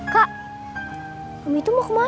kami tuh mau kemana